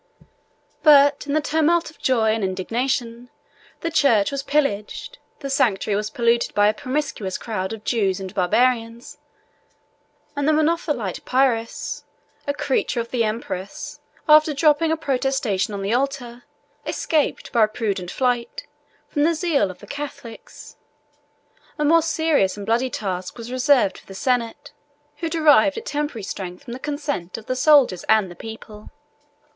But in the tumult of joy and indignation, the church was pillaged, the sanctuary was polluted by a promiscuous crowd of Jews and Barbarians; and the Monothelite Pyrrhus, a creature of the empress, after dropping a protestation on the altar, escaped by a prudent flight from the zeal of the Catholics. A more serious and bloody task was reserved for the senate, who derived a temporary strength from the consent of the soldiers and people.